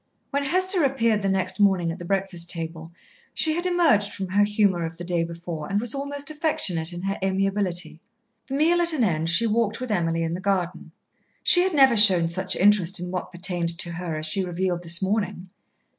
When Hester appeared the next morning at the breakfast table, she had emerged from her humour of the day before and was almost affectionate in her amiability. The meal at an end, she walked with Emily in the garden. She had never shown such interest in what pertained to her as she revealed this morning.